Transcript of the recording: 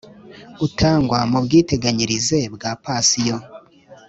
Utangwa mu bwiteganyirize bwa pansiyo